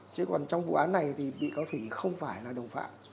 chứ còn trong vụ án này thì bị cáo thủy không phải là đồng phạm